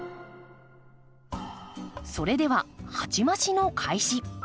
それでは鉢増しの開始。